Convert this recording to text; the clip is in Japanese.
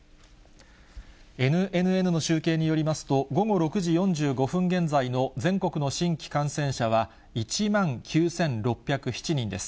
ＮＮＮの集計によりますと、午後６時４５分現在の全国の新規感染者は、１万９６０７人です。